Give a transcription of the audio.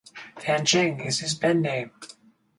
Fancheng is his Pen name.